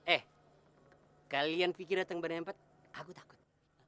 eh kalian pikir datang berempat aku takut